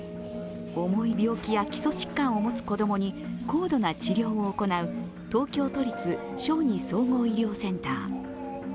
重い病気や基礎疾患を持つ子供に、高度な治療を行う東京都立小児総合医療センター。